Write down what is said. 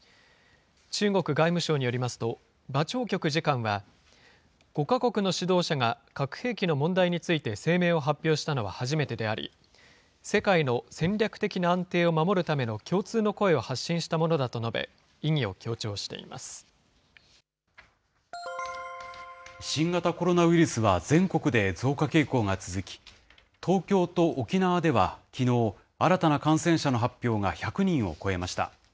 中国外務省によりますと、馬朝旭次官は、５か国の指導者が核兵器の問題について声明を発表したのは初めてであり、世界の戦略的な安定を守るための共通の声を発信したもの新型コロナウイルスは全国で増加傾向が続き、東京と沖縄ではきのう、新たな感染者の発表が１００人を超えました。